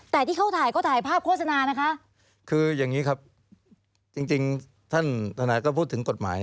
แต่ที่เขาถ่ายก็ถ่ายภาพโฆษณานะคะคืออย่างนี้ครับจริงจริงท่านทนายก็พูดถึงกฎหมาย